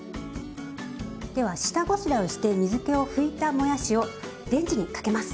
では下ごしらえをして水けを拭いたもやしをレンジにかけます。